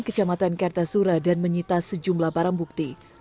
kecamatan kartasura dan menyita sejumlah barang bukti